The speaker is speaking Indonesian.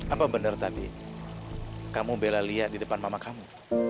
apa benar tadi kamu bela lia di depan mama kamu